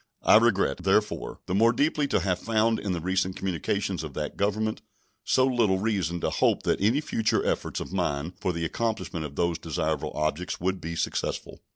I regret, therefore, the more deeply to have found in the recent communications of that Government so little reason to hope that any future efforts of mine for the accomplishment of those desirable objects would be successful.